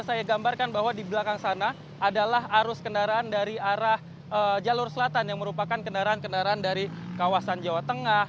saya gambarkan bahwa di belakang sana adalah arus kendaraan dari arah jalur selatan yang merupakan kendaraan kendaraan dari kawasan jawa tengah